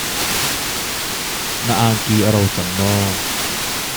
Na angki a ro cang maw?